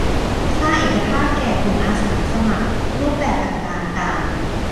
สร้างเอกภาพแก่กลุ่มอาสาสมัครรูปแบบต่างต่างต่าง